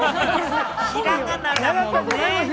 ひらがなだもんね。